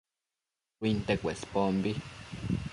Shuinte Cuespombi